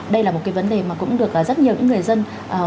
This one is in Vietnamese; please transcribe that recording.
đây là một vấn đề mà cũng được rất nhiều người dân